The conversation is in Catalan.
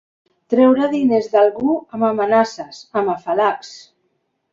Treure diners d'algú amb amenaces, amb afalacs.